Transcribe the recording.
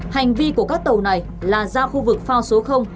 hành vi của các tàu này là ra khu vực phao số